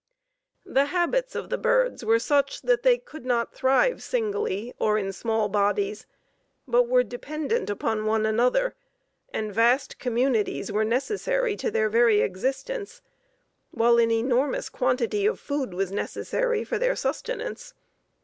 The habits of the birds were such that they could not thrive singly nor in small bodies, but were dependent upon one another, and vast communities were necessary to their very existence, while an enormous quantity of food was necessary for their sustenance.